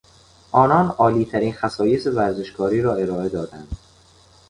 آنان عالی ترین خصایص ورزشکاری را ارائه دادند.